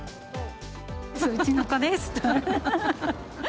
うちの子です。